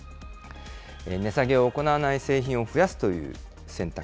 値下げを行わない製品を増やすという選択。